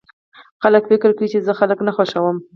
خلک فکر کوي چې زه خلک نه خوښوم